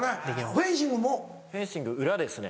フェンシング裏ですね。